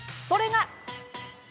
それが。